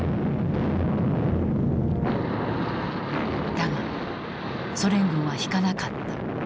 だがソ連軍は引かなかった。